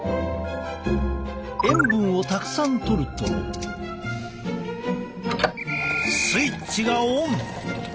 塩分をたくさんとるとスイッチがオン。